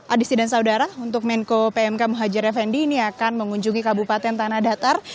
adisi dan saudara untuk menko pmk muhajir effendi ini akan mengunjungi kabupaten tanah datar